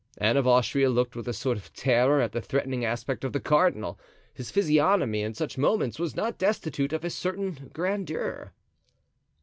Anne of Austria looked with a sort of terror at the threatening aspect of the cardinal—his physiognomy in such moments was not destitute of a certain grandeur.